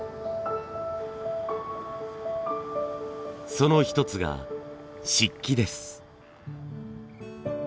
その一つが漆器です。